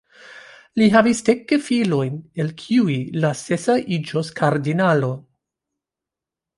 Li havis dek gefilojn, el kiuj la sesa iĝos kardinalo.